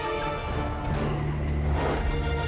assalamualaikum warahmatullahi wabarakatuh